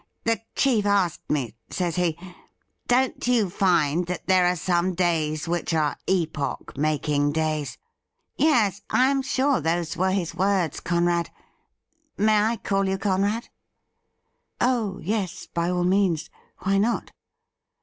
The chief asked me, says he, "Don't you find that there are some days which are epoch making days.?" Yes, I am sure those were his words, Conrad — may I call you Conrad ?'' Oh yes, by all means ; why not